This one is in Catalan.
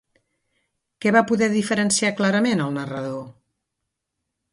Què va poder diferenciar clarament el narrador?